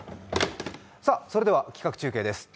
それでは企画中継です。